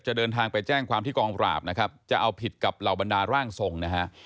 เดินทางไปแจ้งความที่กองปราบนะครับจะเอาผิดกับเหล่าบรรดาร่างทรงนะฮะ